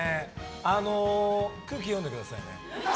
空気読んでくださいね。